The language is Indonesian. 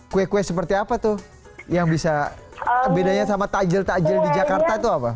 kue kue seperti apa tuh yang bisa bedanya sama tajil tajil di jakarta itu apa